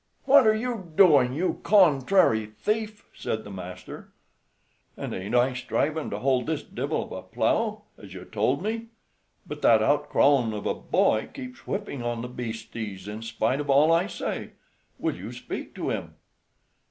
"What are you doing, you contrary thief?" said the master. "An' ain't I strivin' to hold this divil of a plow, as you told me; but that ounkrawn of a boy keeps whipping on the bastes in spite of all I say; will you speak to him?"